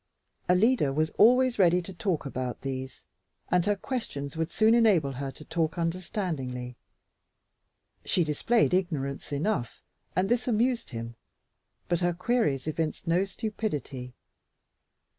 Alida was always ready to talk about these, and her questions would soon enable her to talk understandingly. She displayed ignorance enough, and this amused him, but her queries evinced no stupidity.